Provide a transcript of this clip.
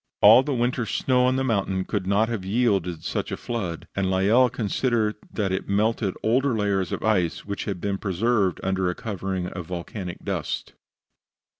All the winter's snow on the mountain could not have yielded such a flood, and Lyell considered that it melted older layers of ice which had been preserved under a covering of volcanic dust.